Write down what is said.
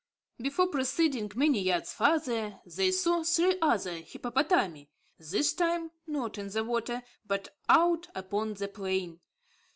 Before proceeding many yards farther, they saw three other hippopotami, this time not in the water, but out upon the plain.